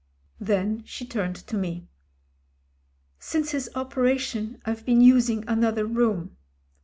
Then she turned to me. "Since his operation I've been using another room."